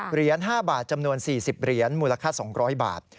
เหรียญ๕บาทจำนวน๔๐เหรียญมูลค่า๒๐๐บาท